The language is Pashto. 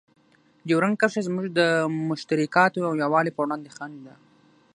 ډیورنډ کرښه زموږ د مشترکاتو او یووالي په وړاندې خنډ ده.